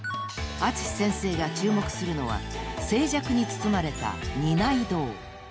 ［淳先生が注目するのは静寂に包まれたにない堂］